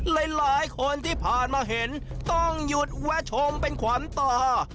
หลายคนที่ผ่านมาเห็นต้องหยุดแวะชมเป็นขวัญตา